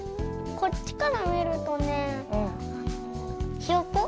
こっちからみるとねひよこ？